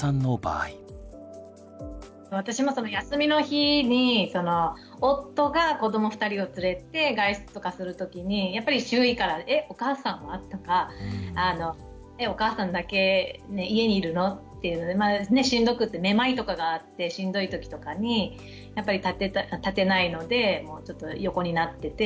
私も休みの日に夫が子ども２人を連れて外出とかする時にやっぱり周囲から「えっお母さんは？」とか「お母さんだけ家にいるの？」っていうのでまあしんどくってめまいとかがあってしんどい時とかにやっぱり立てないのでちょっと横になってて。